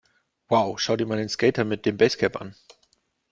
Wow, schau dir mal den Skater mit dem Basecap an!